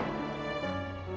kamu cepet nganggep itu